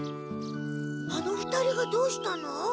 あの２人がどうしたの？